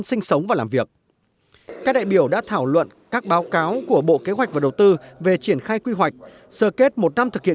đã thảo luận các báo cáo của bộ kế hoạch và đầu tư về triển khai quy hoạch sở kết một năm thực hiện